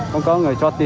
không có người cho tiền